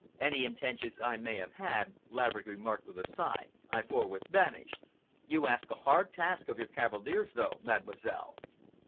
"Any intentions I may have had," Laverick remarked, with a sigh, "I forthwith banish. You ask a hard task of your cavaliers, though, Mademoiselle."